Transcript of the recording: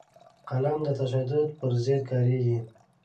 قلم د تشدد پر ضد کارېږي